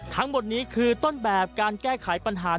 ทั้งหมดนี้คือต้นแบบการแก้ไขปัญหา